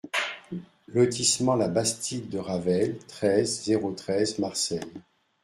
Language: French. Lotissement La Bastide de Ravel, treize, zéro treize Marseille